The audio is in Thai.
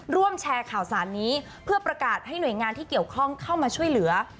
ร่วมแชร์ข่าวสารนี้เพื่อประกาศให้หน่วยงานที่เกี่ยวข้องเข้ามาช่วยเหลือ